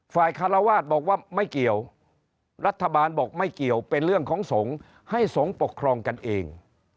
คารวาสบอกว่าไม่เกี่ยวรัฐบาลบอกไม่เกี่ยวเป็นเรื่องของสงฆ์ให้สงฆ์ปกครองกันเอง